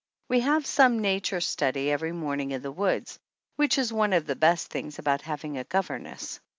We have some nature study every morning in the woods, which is one of the best things about having a governess.